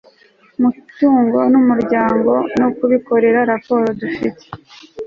mutungo w Umuryango no kubikorera raporo Bafite